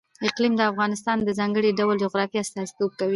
اقلیم د افغانستان د ځانګړي ډول جغرافیه استازیتوب کوي.